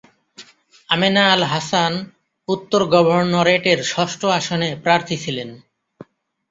Amena Al Hasan উত্তর গভর্নরেটের ষষ্ঠ আসনে প্রার্থী ছিলেন।